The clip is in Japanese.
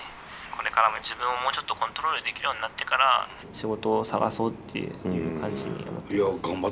これからも自分をもうちょっとコントロールできるようになってから仕事を探そうっていう感じに思ってます。